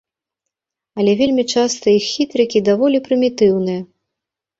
Але вельмі часта іх хітрыкі даволі прымітыўныя.